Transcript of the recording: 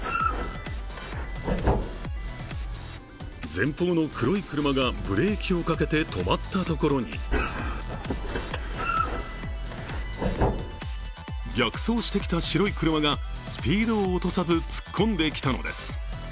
前方の黒い車がブレーキをかけて止まったところに逆走してきた白い車がスピードを落とさず突っ込んできたのです。